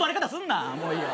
もういいよ。